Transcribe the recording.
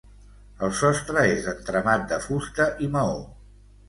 El sostre és d'entramat de fusta i maó.